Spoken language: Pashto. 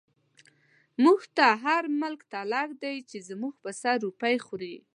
موږ ته هر ملک تلک دی، چۍ زموږ په سر روپۍ خوری